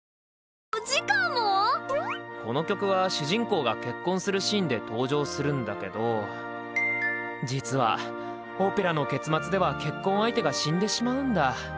この曲は主人公が結婚するシーンで登場するんだけど実はオペラの結末では結婚相手が死んでしまうんだ。